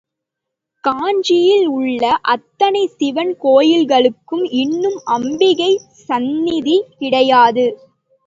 காஞ்சியில் உள்ள அத்தனை சிவன் கோயில்களுக்கும் இன்றும் அம்பிகை சந்நிதி கிடையாது.